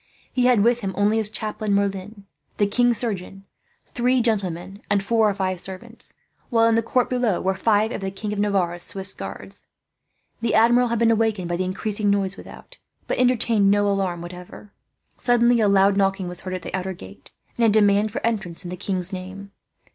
He had with him only his chaplain Merlin, the king's surgeon, three gentlemen and four or five servants; while in the court below were five of the King of Navarre's Swiss guards. The Admiral had been awakened by the increasing noise without, but entertained no alarm whatever. Suddenly a loud knocking was heard at the outer gate, and a demand for entrance, in the king's name.